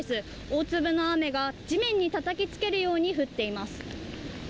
大粒の雨が地面にたたきつけるように降っています。